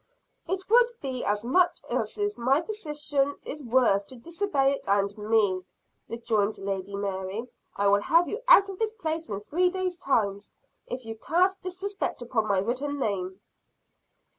"It would be as much as my position is worth to disobey it and me!" rejoined Lady Mary. "I will have you out of this place in three days' time, if you cast disrespect upon my written name."